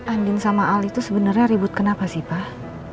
andin sama ali tuh sebenernya ribut kenapa sih pak